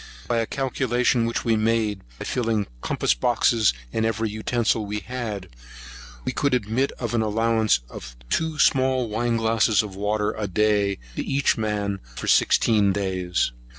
By a calculation which we made, by filling the compass boxes, and every utensil we had, we could admit an allowance of two small wine glasses of water a day to each man for sixteen days.